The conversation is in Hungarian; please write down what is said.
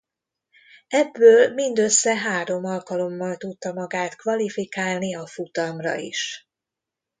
Ebből mindössze három alkalommal tudta magát kvalifikálni a futamra is.